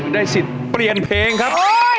ได้สิทธิ์เปลี่ยนเพลงครับ